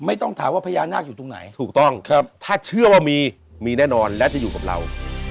ไม่ต้องถามว่าพญานาคอยู่ตรงไหนถูกต้องครับถ้าเชื่อว่ามีมีแน่นอนและจะอยู่กับเรา